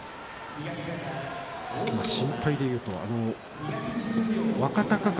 心配というと若隆景